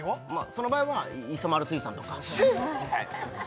その場合は磯丸水産とかシェー！